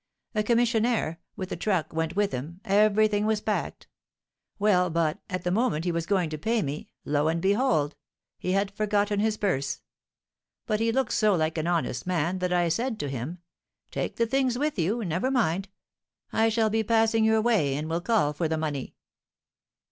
A commissionaire, with a truck, went with him, everything was packed: well, but, at the moment he was going to pay me, lo and behold! he had forgotten his purse; but he looked so like an honest man that I said to him, 'Take the things with you, never mind, I shall be passing your way, and will call for the money.'